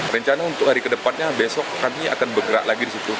rencana untuk hari ke depannya besok kami akan bergerak lagi di situ